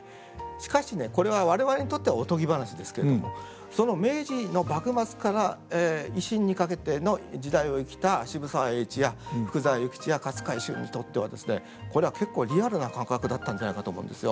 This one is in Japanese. しかしねこれは我々にとってはおとぎ話ですけれどもその明治の幕末から維新にかけての時代を生きた渋沢栄一や福沢諭吉や勝海舟にとってはですねこれは結構リアルな感覚だったんじゃないかと思うんですよ。